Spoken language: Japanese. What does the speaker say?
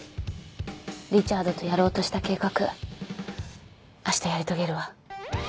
リチャードとやろうとした計画あしたやり遂げるわ。